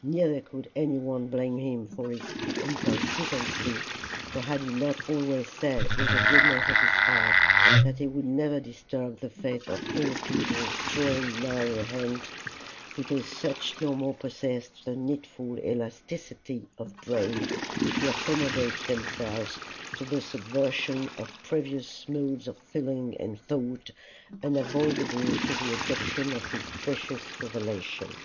Neither could anyone blame him for inconsistency; for had he not always said in the goodness of his heart, that he would never disturb the faith of old people drawing nigh their end, because such no more possessed the needful elasticity of brain to accommodate themselves to the subversion of previous modes of feeling and thought, unavoidable to the adoption of his precious revelation.